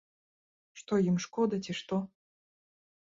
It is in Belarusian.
Што ім шкода, ці што?